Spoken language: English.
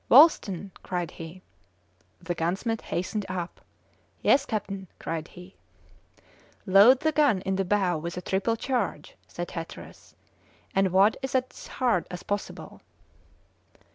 "Wolsten!" cried he. The gunsmith hastened up. "Yes, captain?" cried he. "Load the gun in the bow with a triple charge," said Hatteras, "and wad it as hard as possible."